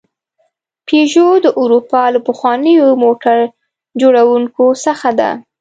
پيژو د اروپا له پخوانیو موټر جوړونکو څخه ده.